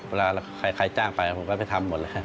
เวลาใครจ้างไปผมก็ไปทำหมดเลย